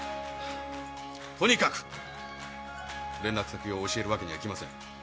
とにかく連絡先は教えるわけにはいきません。